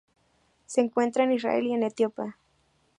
Se encuentra en Israel y en Etiopía.